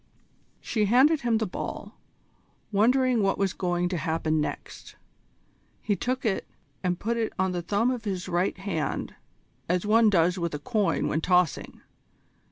She handed him the ball, wondering what was going to happen next. He took it and put it on the thumb of his right hand as one does with a coin when tossing.